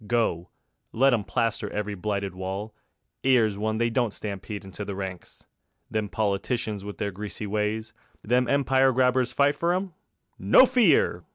Go, let 'em plaster every blighted wall, 'Ere's ONE they don't stampede into the ranks. Them politicians with their greasy ways; Them empire grabbers fight for 'em? No fear!